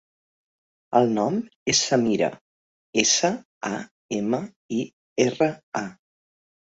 El nom és Samira: essa, a, ema, i, erra, a.